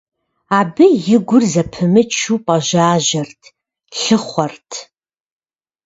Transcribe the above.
Абы и гур зэпымычу пӏэжьажьэрт, лъыхъуэрт.